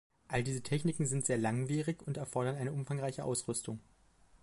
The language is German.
All diese Techniken sind sehr langwierig und erfordern eine umfangreiche Ausrüstung.